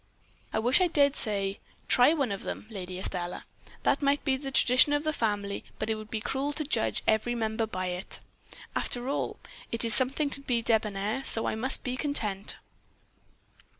"'I wish I dared say, try one of them, Lady Estelle. That may be the tradition of the family, but it would be cruel to judge every member by it. After all, it is something to be debonair, so I must be content.'